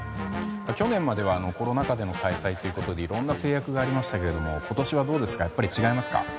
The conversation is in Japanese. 去年まではコロナ禍での開催ということでいろんな制約がありましたけど今年はどうですかやっぱり違いますか。